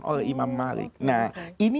oleh imam malik nah ini